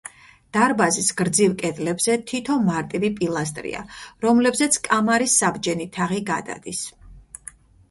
დარბაზის გრძივ კედლებზე თითო მარტივი პილასტრია, რომლებზეც კამარის საბჯენი თაღი გადადის.